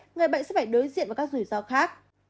người bệnh sẽ phải đối diện với các rủi ro khác